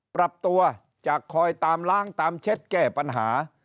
ปรับตัวจากคอยตามล้างตามเช็ดแก้ปัญหา